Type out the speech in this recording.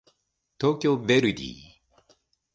東京ヴェルディ